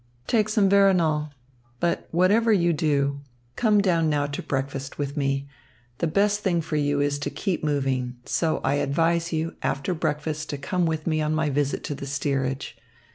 "Take some veronal. But whatever you do, come down now to breakfast with me. The best thing for you is to keep moving. So I advise you, after breakfast to come with me on my visit to the steerage.